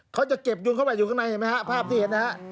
เขาจะเก็บยุงเข้าไปอยู่ข้างในเห็นไหมฮะภาพที่เห็นนะฮะ